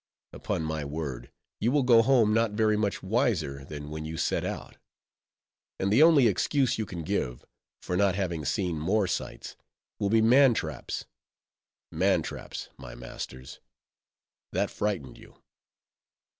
Upon my word, you will go home not very much wiser than when you set out; and the only excuse you can give, for not having seen more sights, will be man traps—mantraps, my masters! that frightened you!